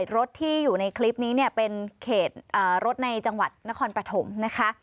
รถที่อยู่ในคลิปนี้เนี่ยเป็นเขตรถในจังหวัดนครปฐมนะคะ